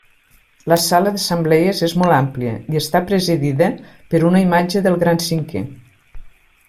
La sala d'assemblees és molt àmplia i està presidida per una imatge del Gran Cinquè.